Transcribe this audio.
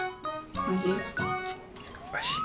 おいしい？